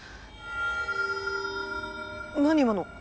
何今の？